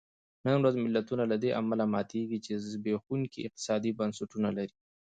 نن ورځ ملتونه له دې امله ماتېږي چې زبېښونکي اقتصادي بنسټونه لري.